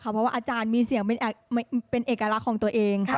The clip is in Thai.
เพราะว่าอาจารย์มีเสียงเป็นเอกลักษณ์ของตัวเอง